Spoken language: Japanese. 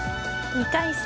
２回戦